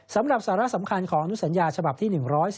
สำหรับสาระสำคัญของอนุสัญญาฉบับที่๑๔